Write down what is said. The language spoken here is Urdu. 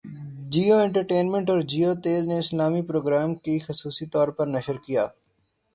جیو انٹر ٹینمنٹ اور جیو تیز نے اسلامی پروگراموں کو خصوصی طور پر نشر کیا